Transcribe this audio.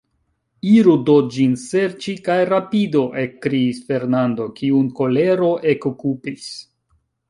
Iru do ĝin serĉi, kaj rapidu, ekkriis Fernando, kiun kolero ekokupis.